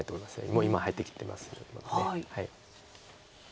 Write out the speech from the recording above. もう今入ってきてますので。